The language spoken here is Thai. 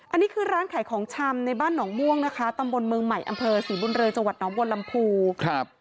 อันนี้คือร้านขายของชำในบ้านหนองม่วงนะคะตำบลเมืองใหม่อำเภอศรีบุญเรืองจังหวัดน้องบนลำพูครับ